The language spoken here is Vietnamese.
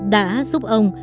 đã giúp ông